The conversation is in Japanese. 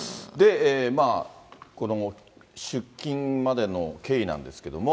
まあ、この出金までの経緯なんですけども。